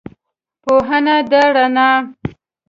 پوهنه ده رڼا